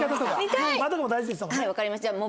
わかりました。